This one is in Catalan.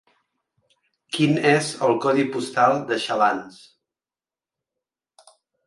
Quin és el codi postal de Xalans?